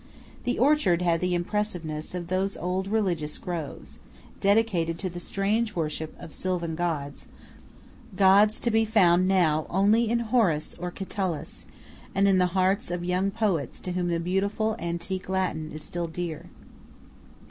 The orchard had the impressiveness of those old religious groves, dedicated to the strange worship of sylvan gods, gods to be found now only in Horace or Catullus, and in the hearts of young poets to whom the beautiful antique Latin is still dear.